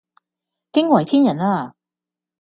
驚為天人呀